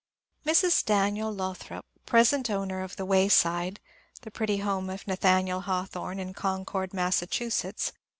Mrs. Daniel Lothrop, present owner of " The Wayside, the pretty home of Nathaniel Hawthorne in Concord, Mass.